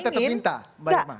tapi tetap minta mbak irma